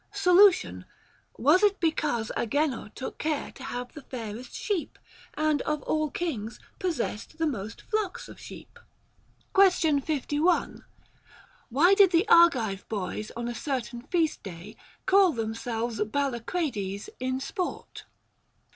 Solution. Was it because Agenor took care to have the fairest sheep, and of all kings possessed the most flocks of sheep ? Question 51. Why did the Argive boys on a certain feast day call themselves Ballacrades in sport?